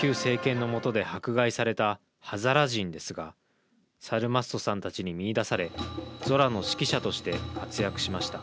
旧政権のもとで迫害された「ハザラ人」ですがサルマストさんたちに見いだされゾラの指揮者として活躍しました。